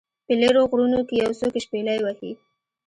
په لیرو غرونو کې یو څوک شپیلۍ وهي